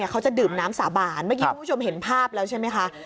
เขาจะดื่มน้ำสาบานเมื่อกี้คุณผู้ชมเห็นภาพแล้วใช่ไหมคะ